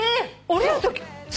降りるとき。